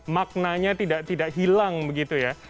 maknanya tidak hilang begitu ya